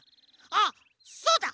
あっそうだ！